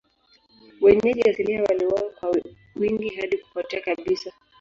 Wenyeji asilia waliuawa kwa wingi hadi kupotea kabisa.